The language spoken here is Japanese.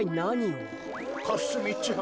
かすみちゃん？